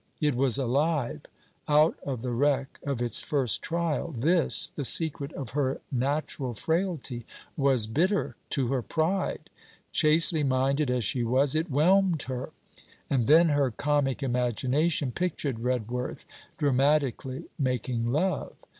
It was alive, out of the wreck of its first trial. This, the secret of her natural frailty, was bitter to her pride: chastely minded as she was, it whelmed her. And then her comic imagination pictured Redworth dramatically making love.